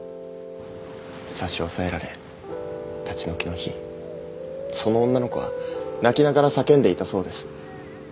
差し押さえられ立ち退きの日その女の子は泣きながら叫んでいたそうです。